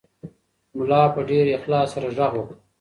ملا په ډېر اخلاص سره غږ وکړ.